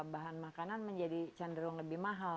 bahan makanan menjadi cenderung lebih mahal